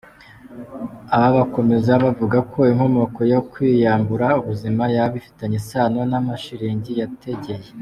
Aba bakomeza bavuga ko inkomoko yo kwiyambura ubuzima yaba ifitanye isano n’amashiringi yategeye.